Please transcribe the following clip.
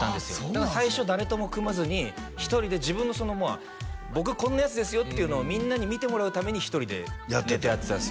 だから最初誰とも組まずに１人で自分のその「僕こんなヤツですよ」っていうのをみんなに見てもらうために１人でネタやってたんすよ